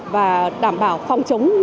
và đảm bảo phòng chống